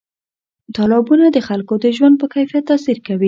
تالابونه د خلکو د ژوند په کیفیت تاثیر کوي.